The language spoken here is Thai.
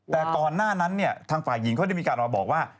แต่ก่อนหน้านั้นเนี่ยทางฝ่ายหญิงเขาได้มีการมาบอกว่า